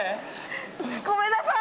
ごめんなさい！